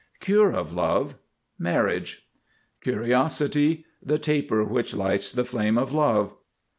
CURE, of Love. Marriage. CURIOSITY. The taper which lights the flame of Love.